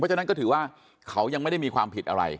ฉะนั้นก็ถือว่าเขายังไม่ได้มีความผิดอะไร